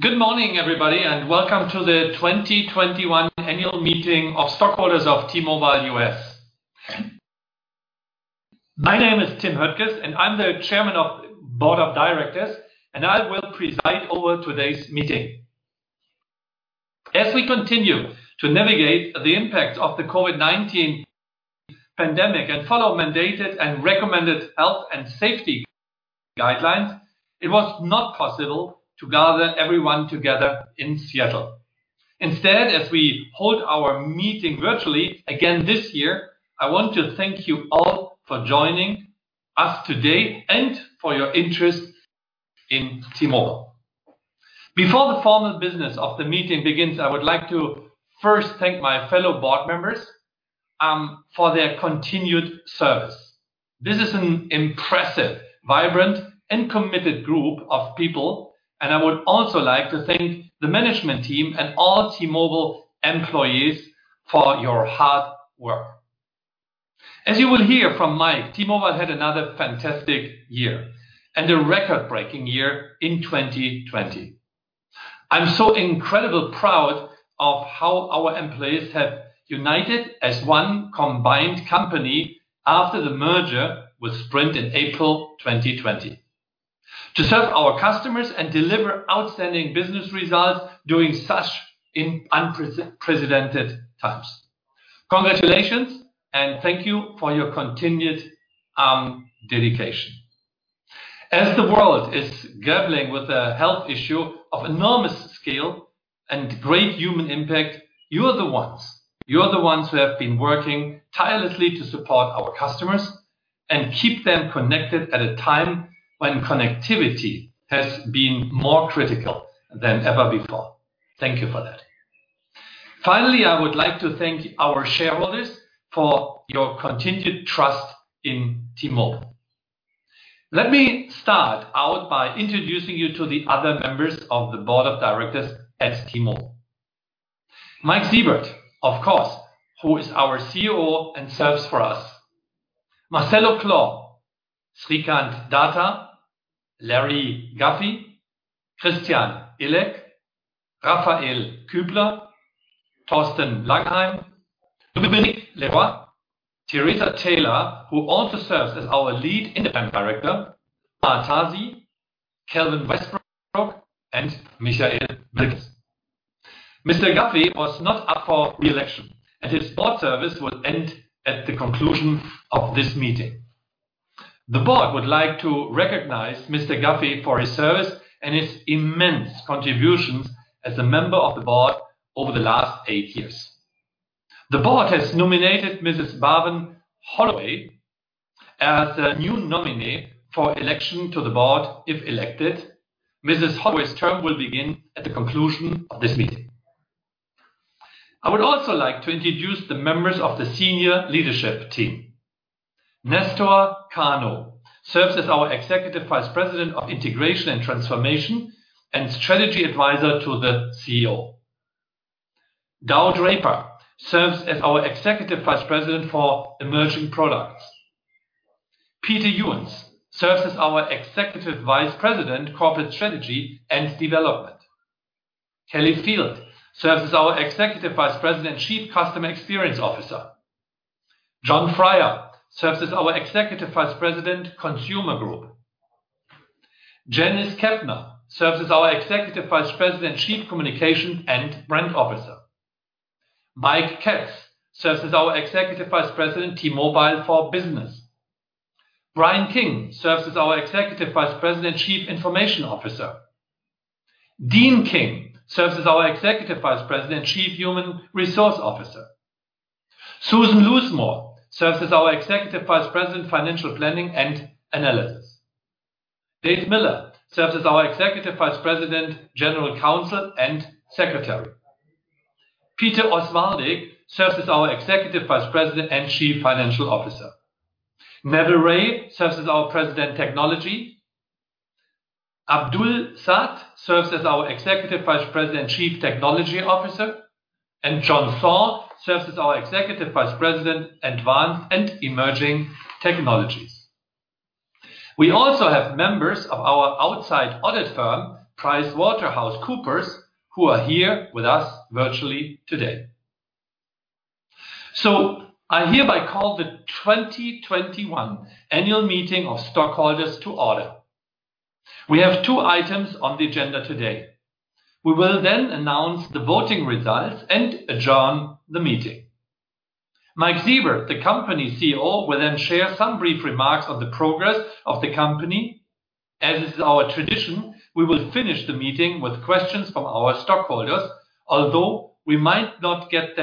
Good morning, everybody, and welcome to the 2021 annual meeting of stockholders of T-Mobile US. My name is Tim Höttges, and I'm the Chairman of the Board of Directors, and I will preside over today's meeting. As we continue to navigate the impacts of the COVID-19 pandemic and follow mandated and recommended health and safety guidelines, it was not possible to gather everyone together in Seattle. Instead, as we hold our meeting virtually again this year, I want to thank you all for joining us today and for your interest in T-Mobile. Before the formal business of the meeting begins, I would like to first thank my fellow Board members for their continued service. This is an impressive, vibrant, and committed group of people, and I would also like to thank the management team and all T-Mobile employees for your hard work. As you will hear from Mike, T-Mobile had another fantastic year and a record-breaking year in 2020. I'm so incredibly proud of how our employees have united as one combined company after the merger with Sprint in April 2020 to serve our customers and deliver outstanding business results during such unprecedented times. Congratulations, and thank you for your continued dedication. As the world is grappling with a health issue of enormous scale and great human impact, you are the ones who have been working tirelessly to support our customers and keep them connected at a time when connectivity has been more critical than ever before. Thank you for that. Finally, I would like to thank our shareholders for your continued trust in T-Mobile. Let me start out by introducing you to the other members of the Board of Directors at T-Mobile. Mike Sievert, of course, who is our CEO and serves for us. Marcelo Claure, Srikant Datar, Larry Guffey, Christian Illek, Raphael Kübler, Thorsten Langheim, [Dominique Leroy], Teresa Taylor, who also serves as our Lead Independent Director, [Omar] Tazi, Kelvin Westbrook, and. Mr. Guffey was not up for re-election, and his Board service will end at the conclusion of this meeting. The Board would like to recognize Mr. Guffey for his service and his immense contributions as a member of the Board over the last eight years. The Board has nominated Mrs. Bavan Holloway as the new nominee for election to the Board. If elected, Mrs. Holloway's term will begin at the conclusion of this meeting. I would also like to introduce the members of the senior leadership team. Néstor Cano serves as our Executive Vice President of Integration and Transformation and Strategy Advisor to the CEO. Dow Draper serves as our Executive Vice President for Emerging Products. Peter Ewens serves as our Executive Vice President, Corporate Strategy and Development. Callie Field serves as our Executive Vice President, Chief Customer Experience Officer. Jon Freier serves as our Executive Vice President, Consumer Group. Janice Kapner serves as our Executive Vice President, Chief Communication and Brand Officer. Mike Katz serves as our Executive Vice President, T-Mobile for Business. Brian King serves as our Executive Vice President and Chief Information Officer. Deeanne King serves as our Executive Vice President, Chief Human Resource Officer. Susan Loosmore serves as our Executive Vice President, Financial Planning and Analysis. Dave Miller serves as our Executive Vice President, General Counsel, and Secretary. Peter Osvaldik serves as our Executive Vice President and Chief Financial Officer. Neville Ray serves as our President, Technology. Abdul Saad serves as our Executive Vice President, Chief Technology Officer, and John Saw serves as our Executive Vice President, Advanced and Emerging Technologies. We also have members of our outside audit firm, PricewaterhouseCoopers, who are here with us virtually today. I hereby call the 2021 annual meeting of stockholders to order. We have two items on the agenda today. We will announce the voting results and adjourn the meeting. Mike Sievert, the company CEO, will then share some brief remarks on the progress of the company. As is our tradition, we will finish the meeting with questions from our stockholders. Although, we might not get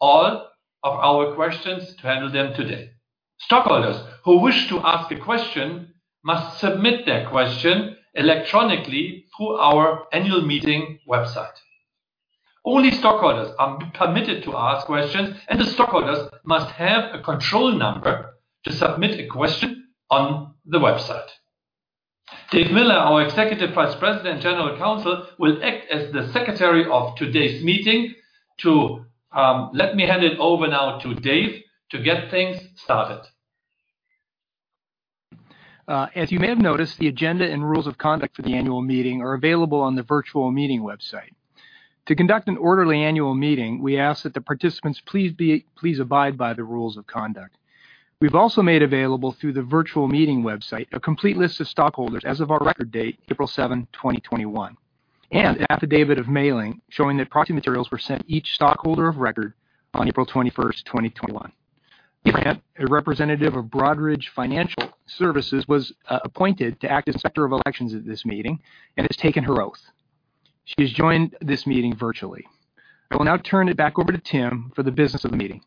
all of our questions to handle them today. Stockholders who wish to ask a question must submit their question electronically through our annual meeting website. Only stockholders are permitted to ask questions, and the stockholders must have a control number to submit a question on the website. Dave Miller, our Executive Vice President and General Counsel, will act as the Secretary of today's meeting. Let me hand it over now to Dave to get things started. As you may have noticed, the agenda and rules of conduct for the annual meeting are available on the virtual meeting website. To conduct an orderly annual meeting, we ask that the participants please abide by the rules of conduct. We've also made available through the virtual meeting website a complete list of stockholders as of our record date, April 7th, 2021, and an affidavit of mailing showing that proxy materials were sent to each stockholder of record on April 21st, 2021. a representative of Broadridge Financial Services, was appointed to act as Inspector of Elections at this meeting and has taken her oath. She's joined this meeting virtually. I will now turn it back over to Tim for the business of the meeting.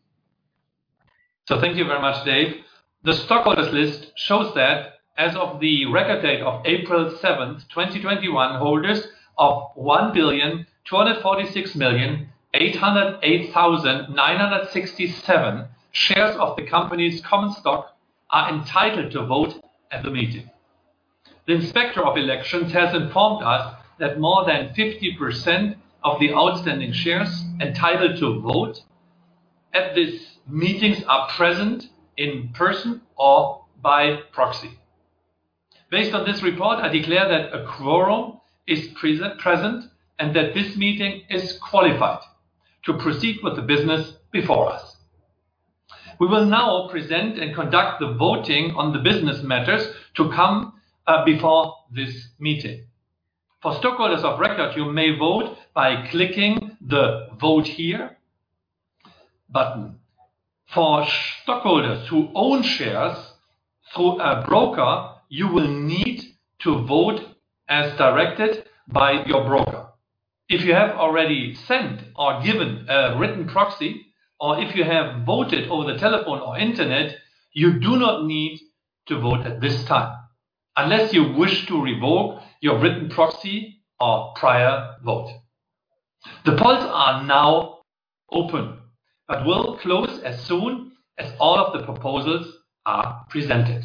Thank you very much, Dave. The stockholders list shows that as of the record date of April 7th, 2021, holders of 1,246,808,967 shares of the company's common stock are entitled to vote at the meeting. The Inspector of Elections has informed us that more than 50% of the outstanding shares entitled to vote at this meeting are present in person or by proxy. Based on this report, I declare that a quorum is present and that this meeting is qualified to proceed with the business before us. We will now present and conduct the voting on the business matters to come before this meeting. For stockholders of record, you may vote by clicking the Vote Here button. For stockholders who own shares through a broker, you will need to vote as directed by your broker. If you have already sent or given a written proxy, or if you have voted over the telephone or internet, you do not need to vote at this time unless you wish to revoke your written proxy or prior vote. The polls are now open but will close as soon as all of the proposals are presented.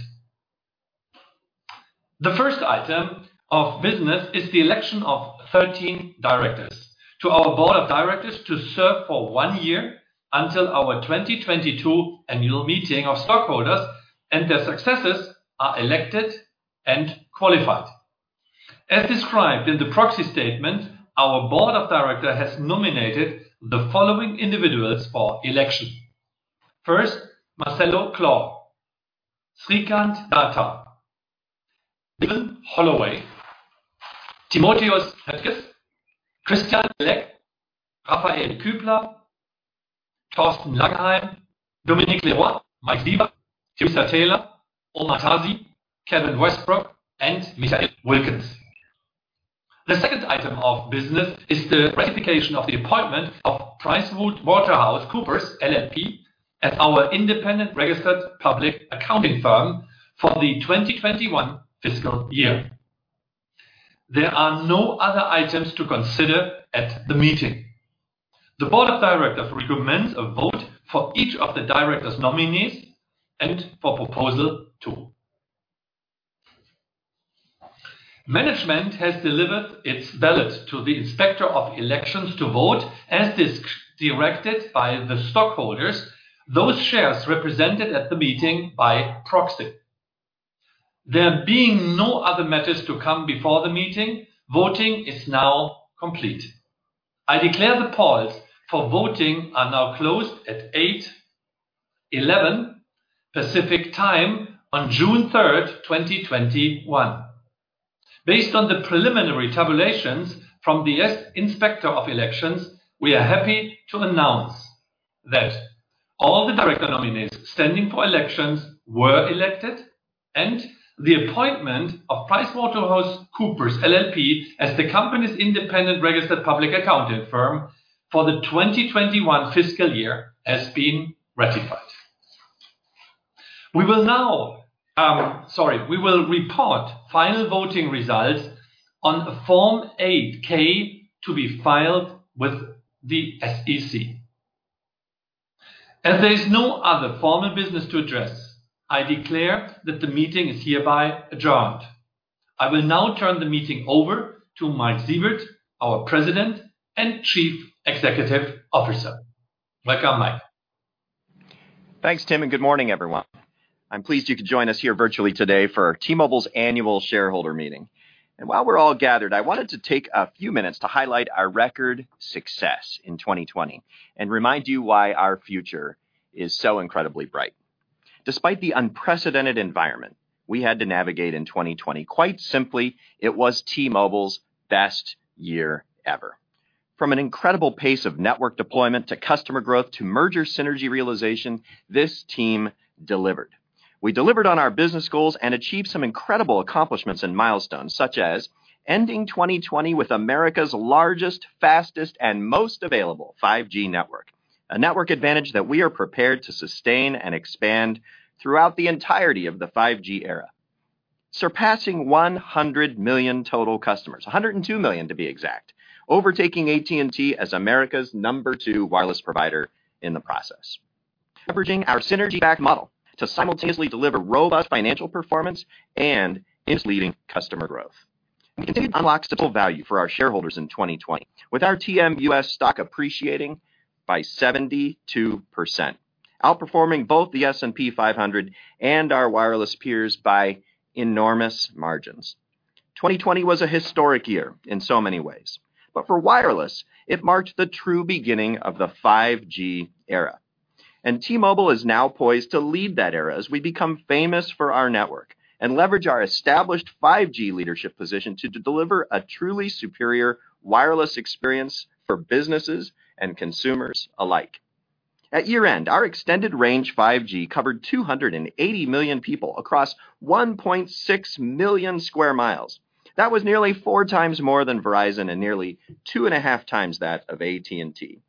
The first item of business is the election of 13 Directors to our Board of Directors to serve for one year until our 2022 annual meeting of stockholders and their successors are elected and qualified. As described in the proxy statement, our Board of Directors has nominated the following individuals for election. First, Marcelo Claure, Srikant Datar, [Bavan] Holloway, Timotheus Höttges, Christian Illek, Raphael Kübler, Thorsten Langheim, Dominique Leroy, Mike Sievert, Teresa Taylor, Omar Tazi, Kelvin Westbrook, and Michael Wilkens. The second item of business is the ratification of the appointment of PricewaterhouseCoopers LLP as our independent registered public accounting firm for the 2021 fiscal year. There are no other items to consider at the meeting. The Board of Directors recommends a vote for each of the Director's nominees and for proposal two. Management has delivered its ballots to the Inspector of Elections to vote as is directed by the stockholders, those shares represented at the meeting by proxy. There being no other matters to come before the meeting, voting is now complete. I declare the polls for voting are now closed at 8:11 Pacific Time on June 3rd, 2021. Based on the preliminary tabulations from the Inspector of Elections, we are happy to announce that all the Director nominees standing for elections were elected, and the appointment of PricewaterhouseCoopers LLP as the company's independent registered public accounting firm for the 2021 fiscal year has been ratified. We will report final voting results on Form 8-K to be filed with the SEC. As there is no other formal business to address, I declare that the meeting is hereby adjourned. I will now turn the meeting over to Mike Sievert, our President and Chief Executive Officer. Welcome, Mike. Thanks, Tim, and good morning, everyone. I'm pleased you could join us here virtually today for T-Mobile's annual shareholder meeting. While we're all gathered, I wanted to take a few minutes to highlight our record success in 2020 and remind you why our future is so incredibly bright. Despite the unprecedented environment we had to navigate in 2020, quite simply, it was T-Mobile's best year ever. From an incredible pace of network deployment to customer growth to merger synergy realization, this team delivered. We delivered on our business goals and achieved some incredible accomplishments and milestones, such as ending 2020 with America's largest, fastest, and most available 5G network. A network advantage that we are prepared to sustain and expand throughout the entirety of the 5G era. Surpassing 100 million total customers, 102 million to be exact, overtaking AT&T as America's number two wireless provider in the process. Leveraging our synergy-backed model to simultaneously deliver robust financial performance and industry-leading customer growth. We continued to unlock shareholder value for our shareholders in 2020, with our TMUS stock appreciating by 72%, outperforming both the S&P 500 and our wireless peers by enormous margins. 2020 was a historic year in so many ways, but for wireless, it marked the true beginning of the 5G era, and T-Mobile is now poised to lead that era as we become famous for our network and leverage our established 5G leadership position to deliver a truly superior wireless experience for businesses and consumers alike. At year-end, our Extended Range 5G covered 280 million people across 1,600,000 sq mi. That was nearly four times more than Verizon and nearly 2.5 times that of AT&T.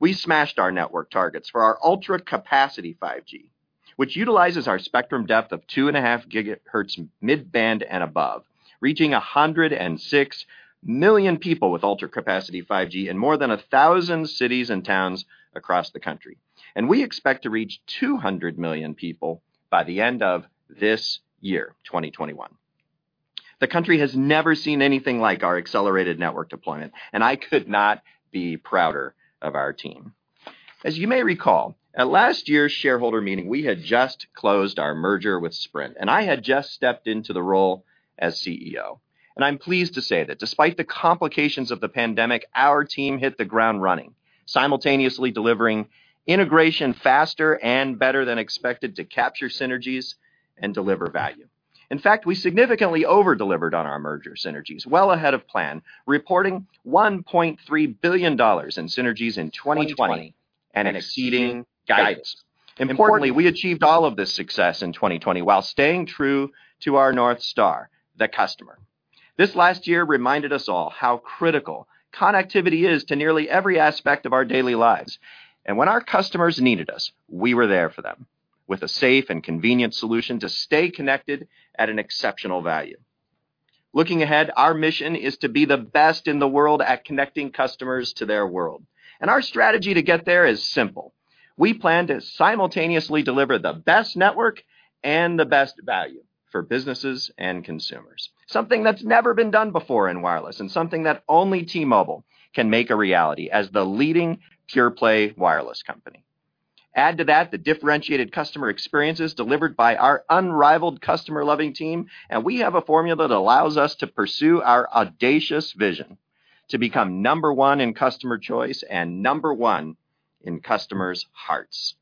We smashed our network targets for our Ultra Capacity 5G, which utilizes our spectrum depth of 2.5 GHz mid-band and above, reaching 106 million people with Ultra Capacity 5G in more than 1,000 cities and towns across the country. We expect to reach 200 million people by the end of this year, 2021. The country has never seen anything like our accelerated network deployment, and I could not be prouder of our team. As you may recall, at last year's shareholder meeting, we had just closed our merger with Sprint, and I had just stepped into the role as CEO. I'm pleased to say that despite the complications of the pandemic, our team hit the ground running, simultaneously delivering integration faster and better than expected to capture synergies and deliver value. In fact, we significantly over-delivered on our merger synergies well ahead of plan, reporting $1.3 billion in synergies in 2020 and exceeding guidance. Importantly, we achieved all of this success in 2020 while staying true to our North Star, the customer. This last year reminded us all how critical connectivity is to nearly every aspect of our daily lives. When our customers needed us, we were there for them with a safe and convenient solution to stay connected at an exceptional value. Looking ahead, our mission is to be the best in the world at connecting customers to their world. Our strategy to get there is simple. We plan to simultaneously deliver the best network and the best value for businesses and consumers. Something that's never been done before in wireless, and something that only T-Mobile can make a reality as the leading pure-play wireless company. Add to that the differentiated customer experiences delivered by our unrivaled customer-loving team, and we have a formula that allows us to pursue our audacious vision to become number one in customer choice and number one in customers' hearts.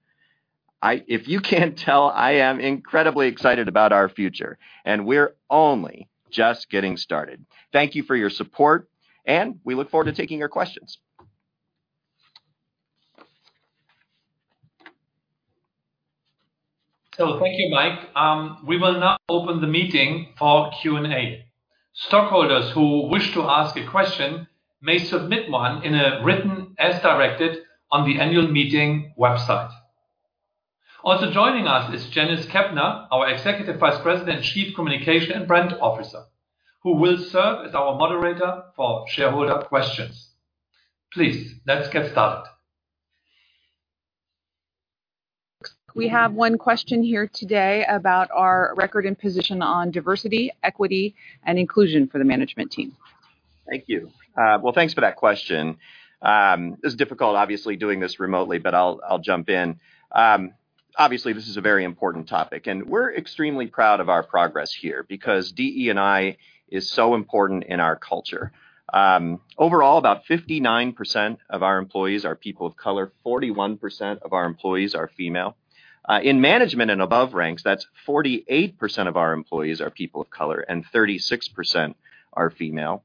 If you can't tell, I am incredibly excited about our future, and we're only just getting started. Thank you for your support, and we look forward to taking your questions. Thank you, Mike. We will now open the meeting for Q&A. Stockholders who wish to ask a question may submit one in written as directed on the annual meeting website. Also joining us is Janice Kapner, our Executive Vice President, Chief Communication and Brand Officer, who will serve as our moderator for shareholder questions. Please, let's get started. We have one question here today about our record and position on Diversity, Equity, and Inclusion for the management team. Thank you. Well, thanks for that question. It's difficult, obviously, doing this remotely, but I'll jump in. Obviously, this is a very important topic, and we're extremely proud of our progress here because DE&I is so important in our culture. Overall, about 59% of our employees are people of color, 41% of our employees are female. In management and above ranks, that's 48% of our employees are people of color and 36% are female.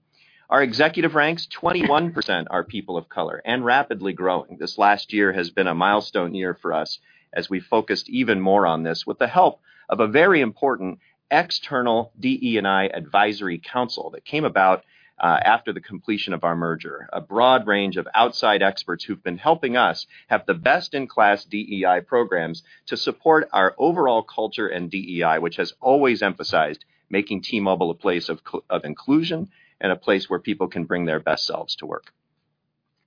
Our executive ranks, 21% are people of color and rapidly growing. This last year has been a milestone year for us as we focused even more on this with the help of a very important external DE&I advisory council that came about after the completion of our merger. A broad range of outside experts who've been helping us have the best-in-class DE&I programs to support our overall culture and DE&I, which has always emphasized making T-Mobile a place of inclusion and a place where people can bring their best selves to work.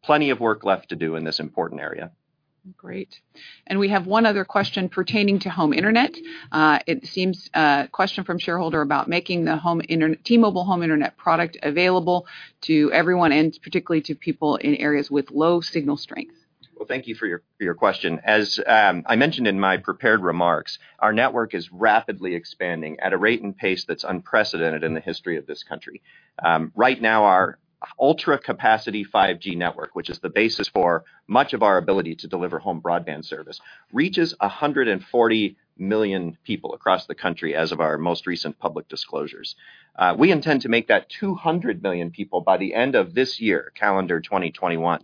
Plenty of work left to do in this important area. Great. We have one other question pertaining to home internet. It seems a question from shareholder about making the T-Mobile Home Internet product available to everyone, and particularly to people in areas with low signal strength. Well, thank you for your question. As I mentioned in my prepared remarks, our network is rapidly expanding at a rate and pace that's unprecedented in the history of this country. Right now, our Ultra Capacity 5G network, which is the basis for much of our ability to deliver home broadband service, reaches 140 million people across the country as of our most recent public disclosures. We intend to make that 200 million people by the end of this year, calendar 2021.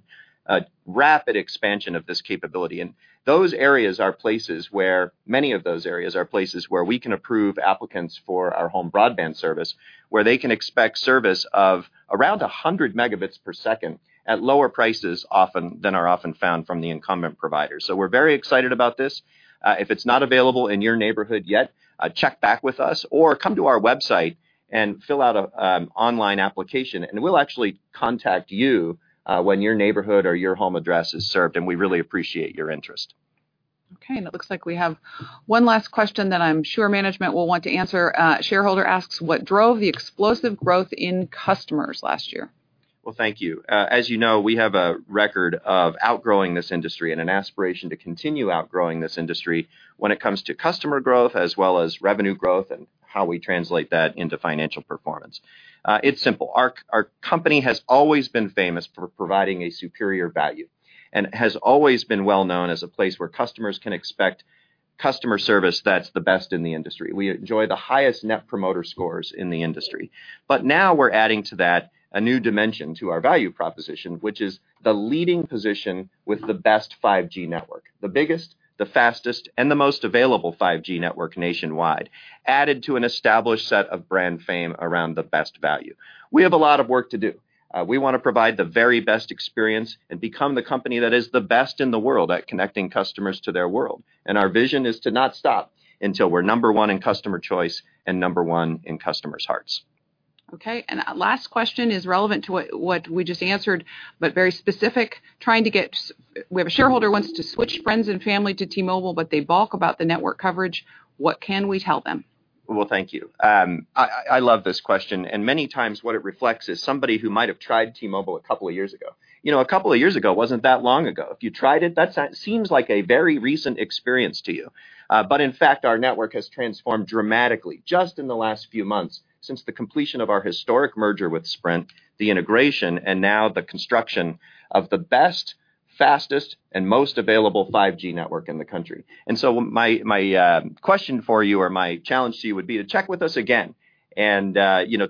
A rapid expansion of this capability, and many of those areas are places where we can approve applicants for our home broadband service, where they can expect service of around 100 Mbps at lower prices than are often found from the incumbent provider. We're very excited about this. If it's not available in your neighborhood yet, check back with us or come to our website and fill out an online application and we'll actually contact you when your neighborhood or your home address is served, and we really appreciate your interest. Okay. It looks like we have one last question that I'm sure management will want to answer. A shareholder asks, "What drove the explosive growth in customers last year?" Well, thank you. As you know, we have a record of outgrowing this industry and an aspiration to continue outgrowing this industry when it comes to customer growth as well as revenue growth and how we translate that into financial performance. It's simple. Our company has always been famous for providing a superior value, and it has always been well known as a place where customers can expect customer service that's the best in the industry. We enjoy the highest Net Promoter Score in the industry. Now we're adding to that a new dimension to our value proposition, which is the leading position with the best 5G network. The biggest, the fastest, and the most available 5G network nationwide, added to an established set of brand fame around the best value. We have a lot of work to do. We want to provide the very best experience and become the company that is the best in the world at connecting customers to their world. Our vision is to not stop until we're number one in customer choice and number one in customers' hearts. Okay. Our last question is relevant to what we just answered, but very specific. A shareholder wants to switch friends and family to T-Mobile, but they balk about the network coverage. What can we tell them? Well, thank you. I love this question, and many times what it reflects is somebody who might have tried T-Mobile a couple of years ago. A couple of years ago wasn't that long ago. If you tried it, that seems like a very recent experience to you. In fact, our network has transformed dramatically just in the last few months since the completion of our historic merger with Sprint, the integration, and now the construction of the best, fastest, and most available 5G network in the country. My question for you or my challenge to you would be to check with us again and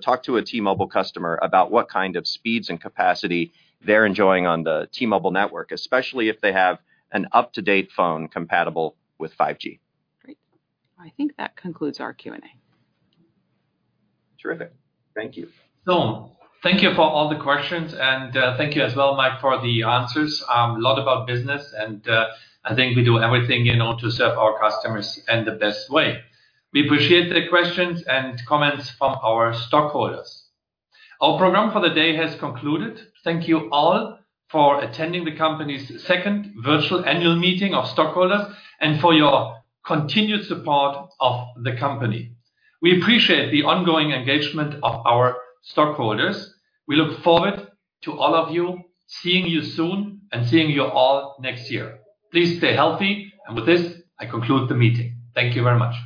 talk to a T-Mobile customer about what kind of speeds and capacity they're enjoying on the T-Mobile network, especially if they have an up-to-date phone compatible with 5G. Great. I think that concludes our Q&A. Terrific. Thank you. Thank you for all the questions, and thank you as well, Mike, for the answers. A lot about business, and I think we do everything in order to serve our customers in the best way. We appreciate the questions and comments from our stockholders. Our program for the day has concluded. Thank you all for attending the company's second virtual annual meeting of stockholders and for your continued support of the company. We appreciate the ongoing engagement of our stockholders. We look forward to all of you, seeing you soon, and seeing you all next year. Please stay healthy, and with this, I conclude the meeting. Thank you very much.